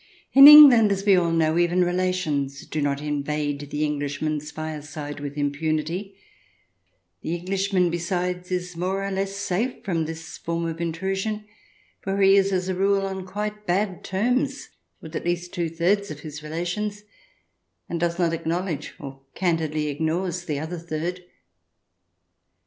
In England, as we all know, even relations do not invade the Englishman's fireside with impunity ; the English man, besides, is more or less safe from this form of intrusion, for he is, as a rule, on quite bad terms with at least two thirds of his relations, and does not acknowledge, or candidly ignores, the other third.